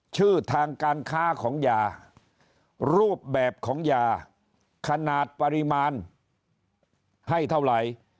ชื่อทางการค้าของยารูปแบบของยาขนาดปริมาณให้เท่าไหร่